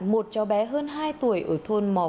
một cháu bé hơn hai tuổi ở thôn mòi